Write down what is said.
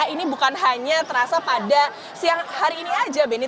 ini bukan hanya terasa pada siang hari ini saja beni